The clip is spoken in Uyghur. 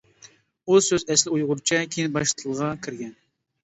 ئۇ سۆز ئەسلى ئۇيغۇرچە، كېيىن باشقا تىلغا كىرگەن.